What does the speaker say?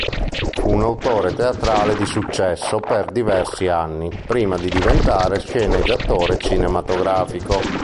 Fu un autore teatrale di successo per diversi anni, prima di diventare sceneggiatore cinematografico.